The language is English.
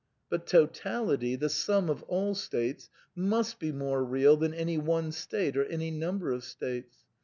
But Totality, the sum of all states, must be more real than any one state or any number of states.